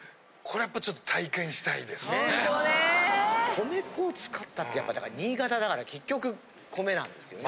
米粉を使ったってやっぱ新潟だから結局米なんですよね。